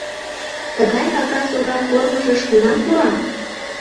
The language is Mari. Тыгай кагаз ора кормыжыш кунам пура?